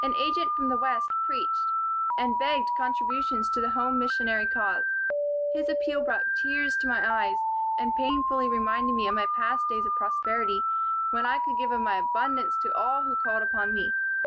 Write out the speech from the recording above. An agent from the West preached, and begged contributions to the home missionary cause. His appeal brought tears to my eyes, and painfully reminded me of my past days of prosperity, when I could give of my abundance to all who called upon me.